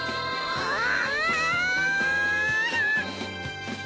はい！